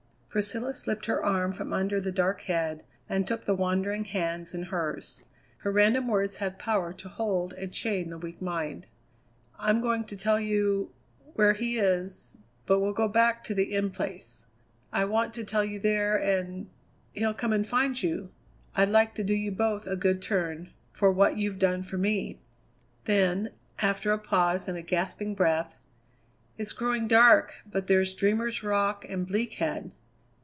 Priscilla slipped her arm from under the dark head, and took the wandering hands in hers. Her random words had power to hold and chain the weak mind. "I'm going to tell you where he is but we'll go back to the In Place. I want to tell you there, and he'll come and find you. I'd like to do you both a good turn for what you've done for me." Then, after a pause and a gasping breath: "It's growing dark, but there's Dreamer's Rock and Bleak Head!"